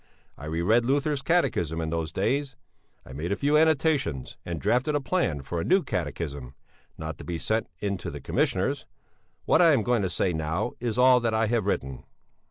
I reread Luther's Catechism in those days; I made a few annotations, and drafted a plan for a new Catechism. (Not to be sent in to the Commissioners; what I am going to say now is all that I have written.)